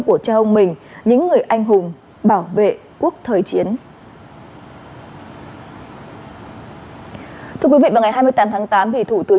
của cha ông mình những người anh hùng bảo vệ quốc thời chiến